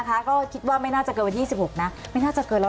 คิดว่าไม่น่าจะเกินวัน๒๖โป๊ยไม่น่าจะเกินแล้ว